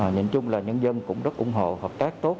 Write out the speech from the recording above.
nhìn chung là nhân dân cũng rất ủng hộ hợp tác tốt